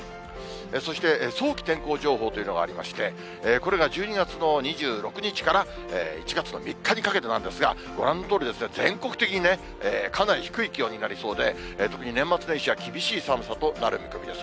そして早期天候情報というのがありまして、これが１２月の２６日から１月の３日にかけてなんですが、ご覧のとおり、全国的にね、かなり低い気温になりそうで、特に年末年始は厳しい寒さとなる見込みです。